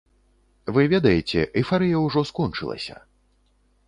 Вы ведаеце, эйфарыя ўжо скончылася.